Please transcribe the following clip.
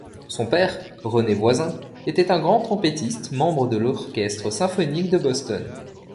Son père, René Voisin, était un grand trompettiste membre de l'orchestre symphonique de Boston.